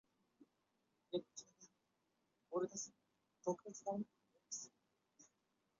云南蛛毛苣苔为苦苣苔科蛛毛苣苔属下的一个种。